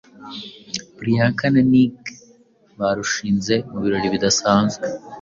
Priyanka na Nick barushinze mu birori bidasanzwe